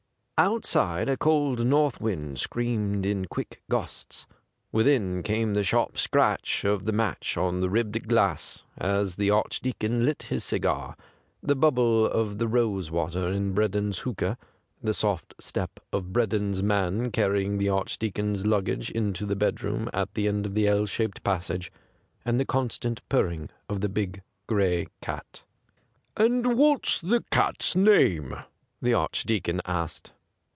Outside a cold north wind 172 THE GRAY CAT screamed in quick gusts. Within came the sharp scratch of the match on the ribbed glass as the Archdeacon lit his cigar, the bubble of the rose water in Breddon's hookah, the soft step of Breddon's man carrying the Archdeacon's lug gage into the bedroom at the end of the L shaped passage, and the constant purring of the big gray cat. '^And what's the cat's name.''' the Archdeacon asked.